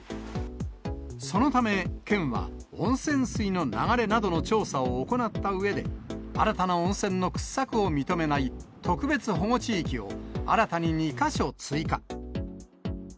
そのため、県は温泉水の流れなどの調査を行ったうえで、新たな温泉の掘削を認めない、特別保護地域を、新たに２か所追加。